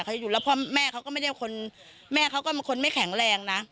เขาอยู่แล้วพ่อแม่เขาก็ไม่ได้คนแม่เขาก็เป็นคนไม่แข็งแรงนะ